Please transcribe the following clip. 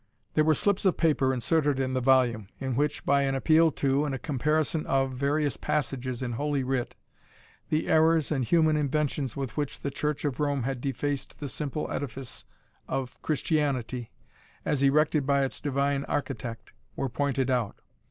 There were slips of paper inserted in the volume, in which, by an appeal to, and a comparison of, various passages in holy writ, the errors and human inventions with which the Church of Rome had defaced the simple edifice of Christianity, as erected by its divine architect, were pointed out.